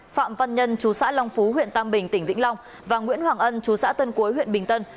phạm văn nhân chú xã long phú huyện tam bình tỉnh vĩnh long và nguyễn hoàng ân chú xã tân cuối huyện bình tân